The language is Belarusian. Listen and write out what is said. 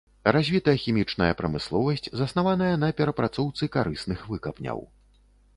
Развіта хімічная прамысловасць, заснаваная на перапрацоўцы карысных выкапняў.